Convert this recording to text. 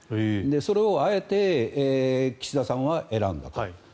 それをあえて岸田さんは選んだと。